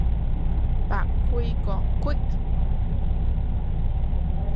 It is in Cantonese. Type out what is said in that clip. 白駒過隙